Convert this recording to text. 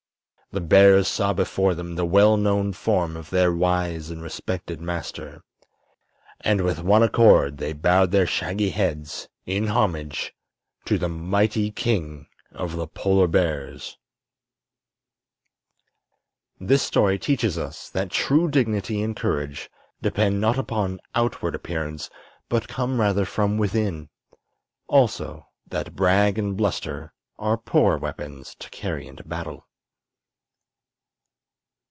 the bears saw before them the well known form of their wise and respected master, and with one accord they bowed their shaggy heads in homage to the mighty King of the Polar Bears. This story teaches us that true dignity and courage depend not upon outward appearance, but come rather from within; also that brag and bluster are poor weapons to carry into battle.